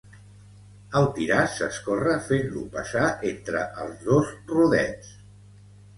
El tiràs s'escorre fent-lo passar entre els dos rodets.